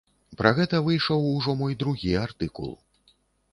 Пра гэта выйшаў ужо мой другі артыкул.